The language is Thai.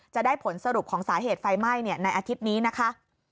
จะได้ผลสรุปของสาเหตุไฟไหม้ในอาทิตย์นี้นะคะ